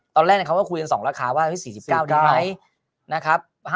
ตอนแรกเขาก็คุยกัน๒ราคาว่า๔๙ดีไหมนะครับ